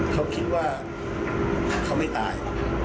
เขาคิดว่าเขาไม่ตาย